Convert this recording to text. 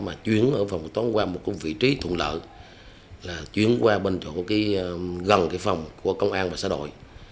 mà chuyển ở phòng toán qua một vị trí thuận lợi là chuyển qua bên chỗ gần cái phòng của công an và xã đội